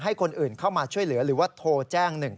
ให้คนอื่นเข้ามาช่วยเหลือหรือว่าโทรแจ้ง๑๑